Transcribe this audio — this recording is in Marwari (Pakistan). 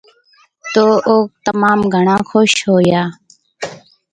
تو او تموم گھڻا خُوش ھويا